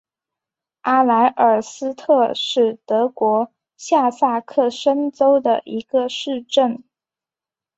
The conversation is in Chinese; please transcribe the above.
阿莱尔斯特是德国下萨克森州的一个市镇。